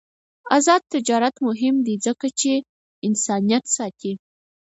آزاد تجارت مهم دی ځکه چې انسانیت ساتي.